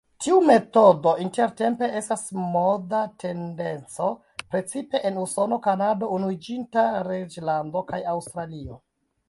Tiu metodo intertempe estas moda tendenco precipe en Usono, Kanado, Unuiĝinta Reĝlando kaj Aŭstralio.